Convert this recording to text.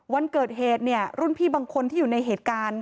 วันเกิดเหตุเนี่ยรุ่นพี่บางคนที่อยู่ในเหตุการณ์